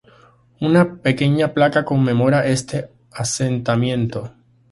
Una pequeña placa conmemora ese acontecimiento.